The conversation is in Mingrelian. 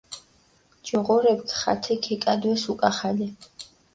ჯოღორეფქ ხათე ქეკადვეს უკახალე.